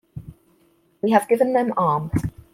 We have given them arms.